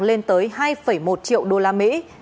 lên tới hai một triệu đô la mỹ